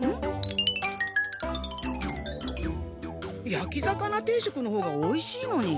やき魚定食の方がおいしいのに。